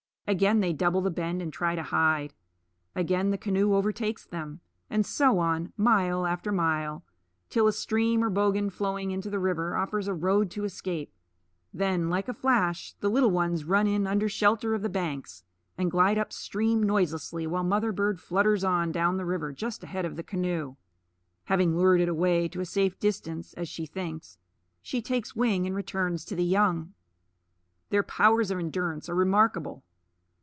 Again they double the bend and try to hide; again the canoe overtakes them; and so on, mile after mile, till a stream or bogan flowing into the river offers a road to escape. Then, like a flash, the little ones run in under shelter of the banks, and glide up stream noiselessly, while mother bird flutters on down the river just ahead of the canoe. Having lured it away to a safe distance, as she thinks, she takes wing and returns to the young. Their powers of endurance are remarkable.